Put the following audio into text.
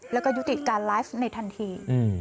แล้วก็ยุติการไลฟ์ในทันที